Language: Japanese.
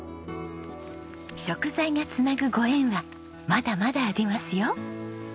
食材が繋ぐご縁はまだまだありますよ。